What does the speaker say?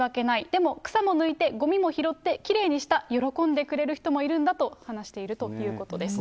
でも草も抜いてごみも拾って、きれいにした、喜んでくれる人もいるんだと、話しているということです。